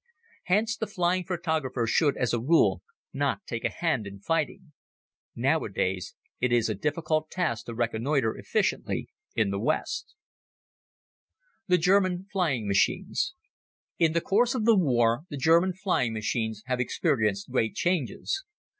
Hence the flying photographer should, as a rule, not take a hand in fighting. Nowadays it is a difficult task to reconnoiter efficiently in the West. The German Flying Machines IN the course of the War the German flying machines have experienced great changes.